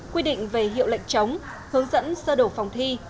quy định về hiệu lệnh chống hướng dẫn sơ đổ phòng thi